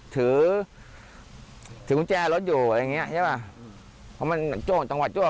ถือกุ้งแจรถอยู่อะไรอย่างนี้ใช่ไหม